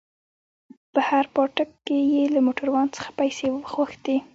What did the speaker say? په هر پاټک کښې يې له موټروان څخه پيسې غوښتې.